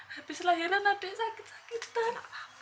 habis lahiran adik sakit sakitan